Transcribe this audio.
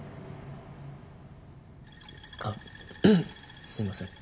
あっすいません。